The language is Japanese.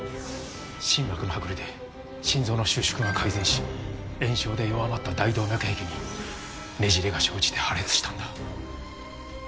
心膜の剥離で心臓の収縮が改善し炎症で弱まった大動脈壁にねじれが生じて破裂したんだ。